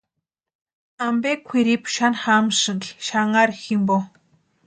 ¿Ampe kwʼiripu xani jamasïnki xanharu jimpo?